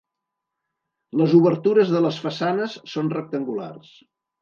Les obertures de les façanes són rectangulars.